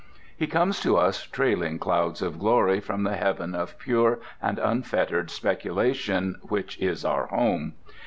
He comes to us trailing clouds of glory from the heaven of pure and unfettered speculation which is our home.